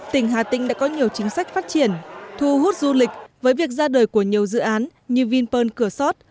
tỉnh hà tĩnh đã có nhiều chính sách phát triển thu hút du lịch với việc ra đời của nhiều dự án như vinpearl cửa sót